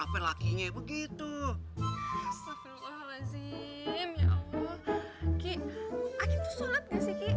astagfirullahaladzim ya allah ki aki tuh sholat gak sih ki